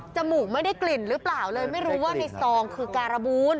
มูกไม่ได้กลิ่นหรือเปล่าเลยไม่รู้ว่าในซองคือการบูน